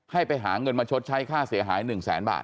ให้ไปหาเงินมาชดใช้ค่าเสียหาย๑แสนบาท